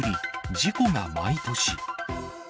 事故が毎年。